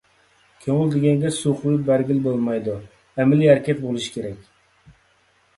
كۆڭۈل دېگەنگە سۇ قۇيۇپ بەرگىلى بولمايدۇ، ئەمەلىي ھەرىكەت بولۇشى كېرەك.